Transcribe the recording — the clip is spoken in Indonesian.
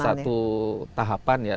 ini adalah satu tahapan ya